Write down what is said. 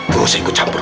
gak usah ikut campur